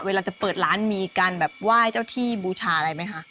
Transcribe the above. เวลาจะเปิดร้านมีการแบบไหว้เจ้าที่บูชาอะไรไหมคะ